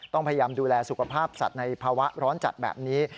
ต้องพยายามดูแลสุขภาพสัตว์ในภาวะร้อนจัดแบบนี้